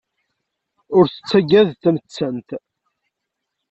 Ur tettagad tamettant.